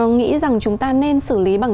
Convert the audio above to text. nghĩ rằng chúng ta nên xử lý bằng